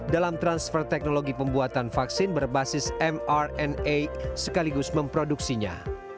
dalam transfer teknologi pembuatan vaksin berbasis mrna sekaligus memproduksinya